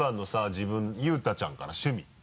自分佑太ちゃんから趣味。